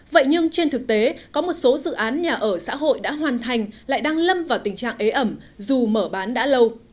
vậy nhưng trên thực tế có một số dự án nhà ở xã hội đã hoàn thành lại đang lâm vào tình trạng ế ẩm dù mở bán đã lâu